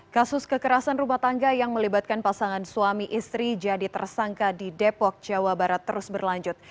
kasus kekerasan rumah tangga yang melibatkan pasangan suami istri jadi tersangka di depok jawa barat terus berlanjut